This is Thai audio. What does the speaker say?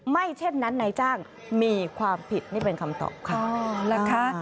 เช่นนั้นนายจ้างมีความผิดนี่เป็นคำตอบค่ะนะคะ